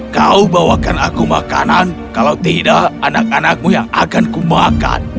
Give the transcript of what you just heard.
kau bawakan aku makanan kalau tidak anak anakmu yang akan ku makan